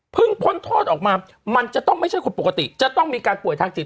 พ้นโทษออกมามันจะต้องไม่ใช่คนปกติจะต้องมีการป่วยทางจิต